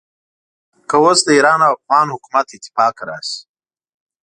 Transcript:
که اوس د ایران او افغان حکومت اتفاق راشي.